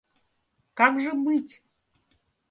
Как же быть?